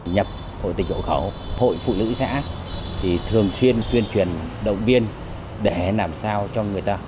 nhập hội tịch hộ khẩu hội phụ nữ xã thì thường xuyên tuyên truyền động viên để làm sao cho người ta